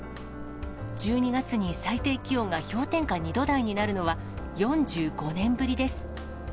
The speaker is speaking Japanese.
１２月に最低気温が氷点下２度台になるのは、４５年ぶりです。